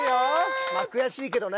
まあ悔しいけどね。